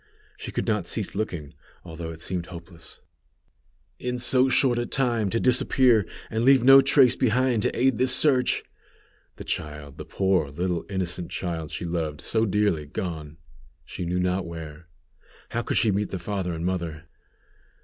She could not cease looking, although it seemed hopeless. "In so short a time to disappear, and leave no trace behind to aid this search!" The child! The poor little innocent child she loved so dearly, gone, she knew not where! How could she meet the father and mother?